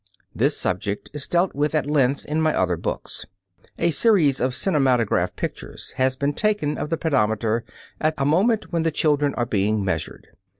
This subject is dealt with at length in my other books. A series of cinematograph pictures has been taken of the pedometer at a moment when the children are being measured.